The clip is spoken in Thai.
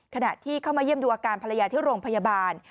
ขณะที่เข้ามาเยี่ยมดูอาการภรรยาที่โรงพยาบาล